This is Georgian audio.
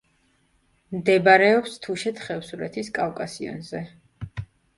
მდებარეობს თუშეთ-ხევსურეთის კავკასიონზე.